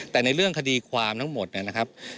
แต่ในเรื่องคดีความทั้งหมดนะครับ